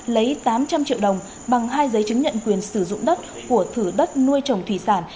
lấy tám trăm linh triệu đồng bằng hai giấy chứng nhận quyền sử dụng đất của thử đất nuôi trồng thủy sản